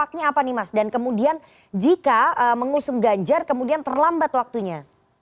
dampaknya apa nih mas dan kemudian jika mengusung ganjar kemudian terlambat waktunya